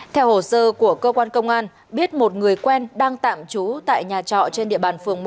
theo hồ sơ của cơ quan công an biết một người quen đang tạm trú tại nhà trọ trên địa bàn phường một